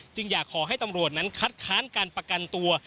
อยากขอให้ตำรวจนั้นคัดค้านการประกันตัว